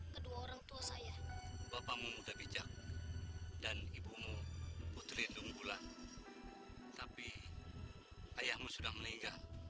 kedua orang tua saya bapakmu muda bijak dan ibumu putri dunggulan tapi ayahmu sudah meninggal